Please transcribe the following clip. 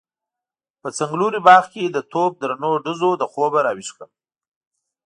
په څنګلوري باغ کې د توپ درنو ډزو له خوبه راويښ کړم.